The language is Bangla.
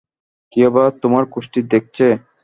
কেই বা তোমার কুষ্ঠি দেখছে!